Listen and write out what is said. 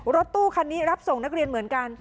รถตู้คันนี้รับส่งนักเรียนเหมือนกัน